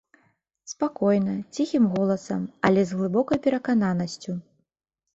Спакойна, ціхім голасам, але з глыбокай перакананасцю.